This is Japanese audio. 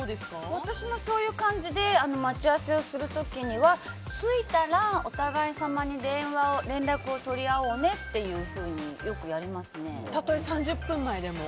私もそういう感じで待ち合わせをする時には着いたら、お互いさまに連絡を取り合おうねとたとえ３０分前でも？